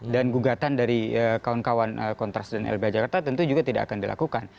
dan gugatan dari kawan kawan kontras dan lbh jakarta tentu juga tidak akan dilakukan